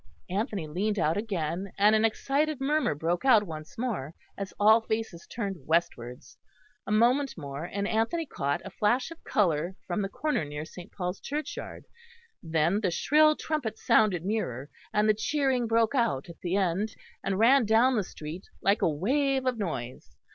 Anthony leaned out again, and an excited murmur broke out once more, as all faces turned westwards. A moment more, and Anthony caught a flash of colour from the corner near St. Paul's Churchyard; then the shrill trumpets sounded nearer, and the cheering broke out at the end, and ran down the street like a wave of noise.